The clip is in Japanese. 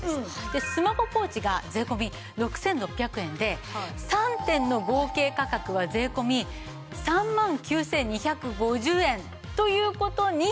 でスマホポーチが税込６６００円で３点の合計価格は税込３万９２５０円という事になるわけなんですが。